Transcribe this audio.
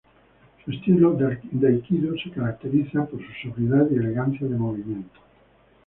Su estilo de Aikido se caracteriza por su sobriedad y elegancia de movimientos.